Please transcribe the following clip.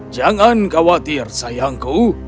jangan khawatir sayangku